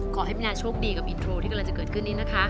ขอให้พี่นาโชคดีกับอินโทรที่กำลังจะเกิดขึ้นนี้นะคะ